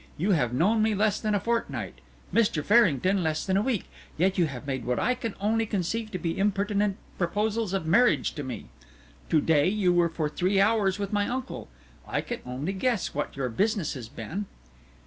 You have known me less than a fortnight Mr. Farrington, less than a week yet you have made what I can only conceive to be impertinent proposals of marriage to me. To day you were for three hours with my uncle. I can only guess what your business has been."